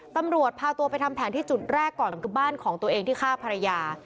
ตำรวจพาตัวไปทำแผนที่จุดแรกก่อนคือบ้านของตัวเองที่ฆ่าภรรยา